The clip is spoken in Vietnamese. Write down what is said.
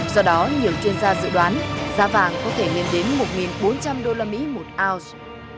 do đó nhiều chuyên gia dự đoán giá vàng có thể lên đến một bốn trăm linh usd một ounce